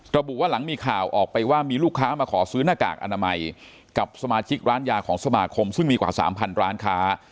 ระบุว่าหลังมีข่าวออกไปว่ามีลูกค้ามาขอซื้อหน้ากากอนามัยกับสมาชิกร้านยาของสมาคมซึ่งมีกว่า๓๐๐ร้านค้า